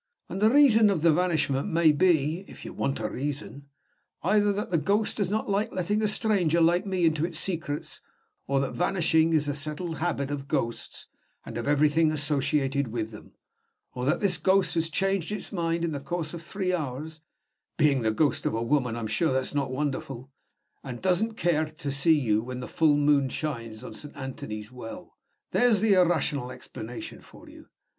And the reason of the vanishment may be (if you want a reason), either that the ghost does not like letting a stranger like me into its secrets, or that vanishing is a settled habit of ghosts and of everything associated with them, or that this ghost has changed its mind in the course of three hours (being the ghost of a woman, I am sure that's not wonderful), and doesn't care to see you 'when the full moon shines on Saint Anthony's Well.' There's the _ir_rational explanation for you.